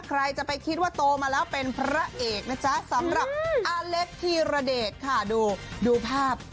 ใครจะไปคิดว่าโตมาแล้วเป็นพระเอกนะจ๊ะสำหรับอาเล็กธีรเดชค่ะดูดูภาพ